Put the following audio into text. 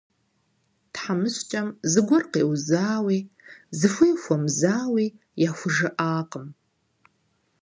Тхьэмыщкӏэм зыгуэр къеузауи, зыхуей хуэмызауи яхужыӀакъым.